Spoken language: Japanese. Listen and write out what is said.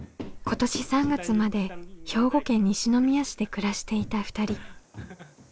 今年３月まで兵庫県西宮市で暮らしていた２人。